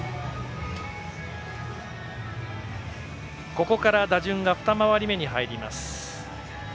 ここから打順が２回り目に入ります。